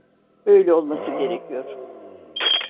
Böyle olması gerekiyor.